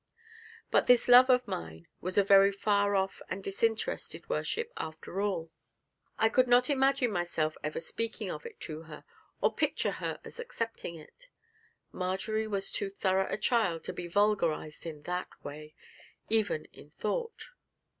But this love of mine was a very far off and disinterested worship after all. I could not imagine myself ever speaking of it to her, or picture her as accepting it. Marjory was too thorough a child to be vulgarised in that way, even in thought.